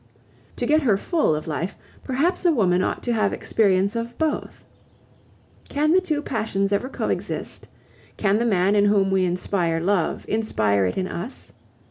To get her full of life, perhaps a woman ought to have experience of both. Can the two passions ever co exist? Can the man in whom we inspire love inspire it in us?